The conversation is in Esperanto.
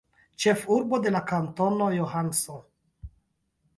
Ĉefurbo de la kantono Johnson.